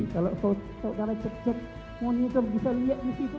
kalau saudara cek cek monitor bisa lihat disitu